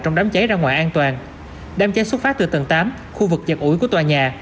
trong đám cháy ra ngoài an toàn đám cháy xuất phát từ tầng tám khu vực chật ủi của tòa nhà